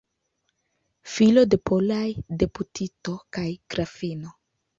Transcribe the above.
Filo de polaj deputito kaj grafino.